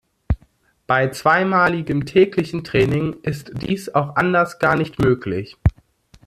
Bei zweimaligem täglichen Training ist dies auch anders gar nicht möglich.